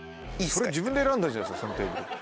それ自分で選んだんじゃないですかそのテーブル。